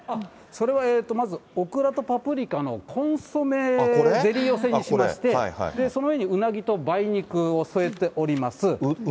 それはまず、オクラとパプリカのコンソメゼリー寄せにしまして、その上にウナギと梅肉を添えております。